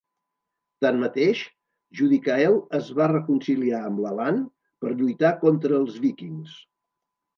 Tanmateix, Judicael es va reconciliar amb l'Alan per lluitar contra els víkings.